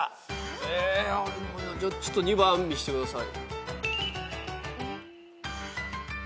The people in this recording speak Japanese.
えちょっと２番見してください。